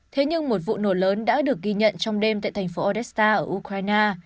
thế nhưng một vụ nổ lớn đã được ghi nhận trong đêm tại thành phố odesta ở ukraine